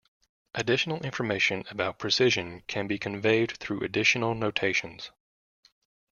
Additional information about precision can be conveyed through additional notations.